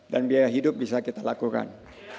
dan biaya hidup bisa kita lakukan